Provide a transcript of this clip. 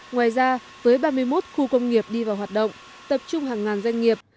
ngoài ra với ba mươi một khu công nghiệp đi vào hoạt động tập trung hàng ngàn doanh nghiệp